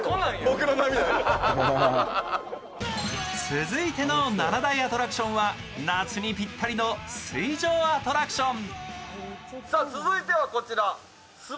続いての７大アトラクションは夏にぴったりの水上アトラクション。